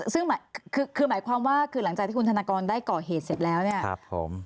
ซึ่งหมายความว่าคือหลังจากที่มีทนากองได้ก่อเหตุเสร็จแล้วเนี่ยครับผม